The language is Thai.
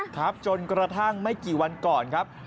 ครับจนกระทั่งไม่กี่วันก่อนครับ